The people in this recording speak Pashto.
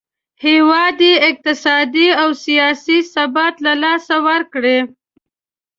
هیواد یې اقتصادي او سیاسي ثبات له لاسه ورکړی.